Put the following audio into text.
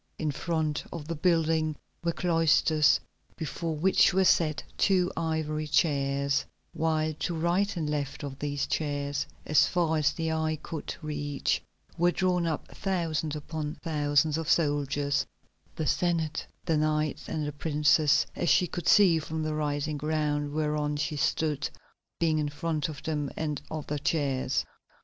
In front of the building were cloisters, before which were set two ivory chairs, while to right and left of these chairs, as far as the eye could reach, were drawn up thousand upon thousands of soldiers; the Senate, the Knights and the Princes, as she could see from the rising ground whereon she stood, being in front of them and of the chairs.